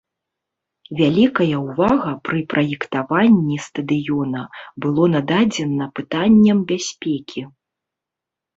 Вялікая ўвага пры праектаванні стадыёна было нададзена пытанням бяспекі.